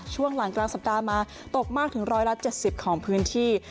ช่วงหลังกลางสัปดาห์มาตกมากถึง๑๗๐ของพื้นที่